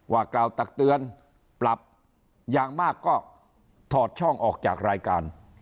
กล่าวตักเตือนปรับอย่างมากก็ถอดช่องออกจากรายการ